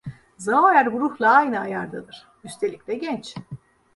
Sauerbruch'la aynı ayardadır. Üstelik de genç.